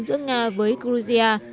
giữa nga với georgia